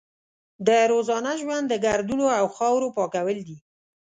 د روزانه ژوند د ګردونو او خاورو پاکول دي.